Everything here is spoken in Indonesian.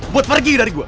buat pergi dari gua